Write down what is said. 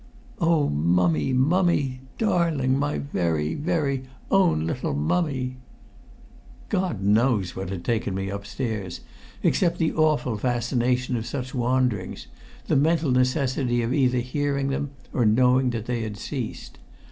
"O Mummie! Mummie darling! My very, very, own little Mummie!" God knows what had taken me upstairs, except the awful fascination of such wanderings, the mental necessity of either hearing them or knowing that they had ceased.